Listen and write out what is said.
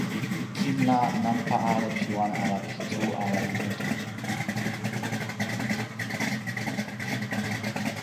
kin la, nanpa ale pi wan ala pi tu ala li mute.